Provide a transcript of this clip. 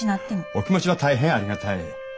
お気持ちは大変ありがたい。